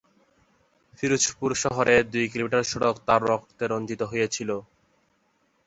পিরোজপুর শহরের দুই কিলোমিটার সড়ক তাঁর রক্তে রঞ্জিত হয়েছিল।